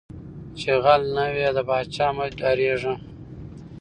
ـ چې غل نه وې د پاچاه نه مه ډارېږه.